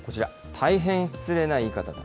大変失礼な言い方だ。